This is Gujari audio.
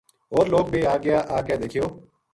ہور لوک بے آ گیا آ کے دیکھیو